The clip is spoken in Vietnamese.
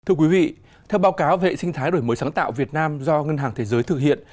thưa quý vị theo báo cáo về hệ sinh thái đổi mới sáng tạo việt nam do ngân hàng thế giới thực hiện